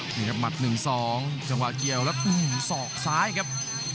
นี่ครับหมัด๑๒จังหวะเกี่ยวแล้วสอกซ้ายครับ